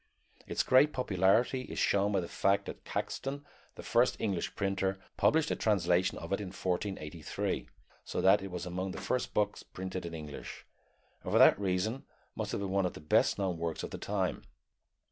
Its great popularity is shown by the fact that Caxton, the first English printer, published a translation of it in 1483; so that it was among the first books printed in English, and for that reason must have been one of the best known works of the time.